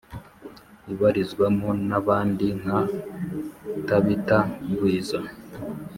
ibarizwamo n’abandi nka tabitha gwiza